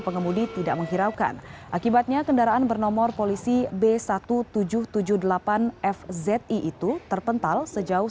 pengemudi tidak menghiraukan akibatnya kendaraan bernomor polisi b seribu tujuh ratus tujuh puluh delapan fz itu terpental sejauh